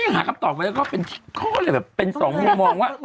ก็ยังหาคำตอบไปก็เป็นจิ๊บแบบเป็น๒มุมมองว่า